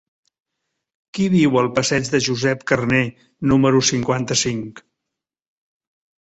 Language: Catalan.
Qui viu al passeig de Josep Carner número cinquanta-cinc?